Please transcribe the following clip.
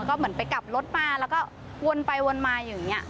ก็เหมือนไปกลับรถมาแล้วก็วนไปวนมาอย่างนี้